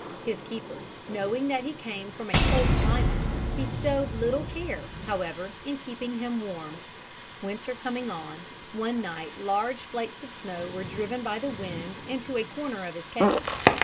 His keepers, knowing that he came from a cold climate, bestowed little care, however, in keeping him warm. Winter coming on, one night large flakes of snow were driven by the wind into a corner of his cage.